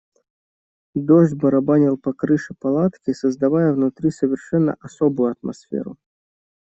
Дождь барабанил по крыше палатки, создавая внутри совершенно особую атмосферу.